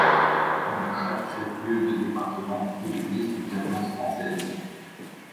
Dans chaque chef-lieu de département, il existe une Alliance française.